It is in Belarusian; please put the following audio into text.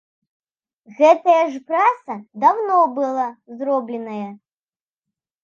Гэтая ж праца даўно была зробленая.